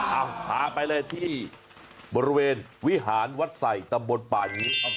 พาไปเลยที่บริเวณวิหารวัดใส่ตำบลป่างิด